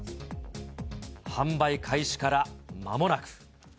販売開始からまもなく。